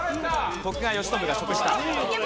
徳川慶喜が食した。